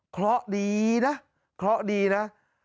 เพราะดีนะเคราะห์ดีนะ